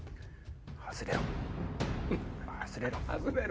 外れろ！